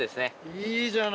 いいじゃない。